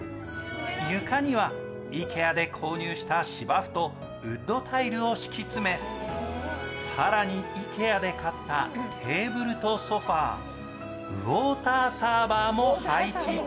床にはＩＫＥＡで購入した芝生とウッドタイルを敷き詰め、更にＩＫＥＡで買ったテーブルとソファーウオーターサーバーも配置。